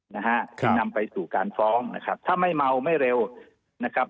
นะฮะจึงนำไปสู่การฟ้องนะครับถ้าไม่เมาไม่เร็วนะครับ